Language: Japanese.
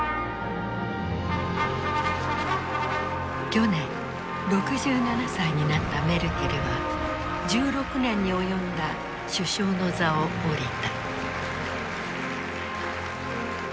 去年６７歳になったメルケルは１６年に及んだ首相の座を降りた。